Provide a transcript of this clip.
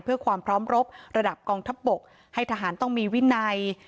เพื่อความพร้อมรบระดับกองทัพบกให้ทหารต้องมีวินัย